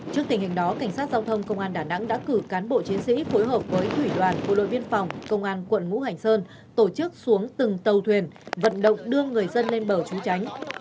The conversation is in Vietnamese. trước tình hình đó cảnh sát giao thông công an đà nẵng đã cử cán bộ chiến sĩ phối hợp với thủy đoàn bộ đội biên phòng công an quận ngũ hành sơn tổ chức xuống từng tàu thuyền vận động đưa người dân lên bờ trú tránh